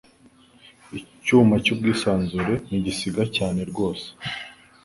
Icyuma cyubwisanzure ntigisiga cyane rwose